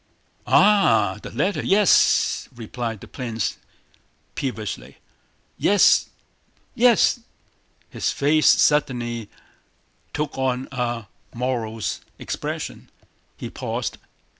"Ah, the letter? Yes..." replied the prince peevishly. "Yes... yes..." His face suddenly took on a morose expression. He paused.